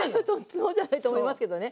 そうじゃないと思いますけどね。